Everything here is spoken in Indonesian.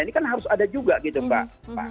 ini kan harus ada juga gitu mbak